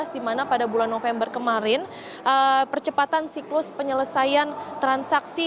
dimana pada bulan november kemarin percepatan siklus penyelesaian transaksi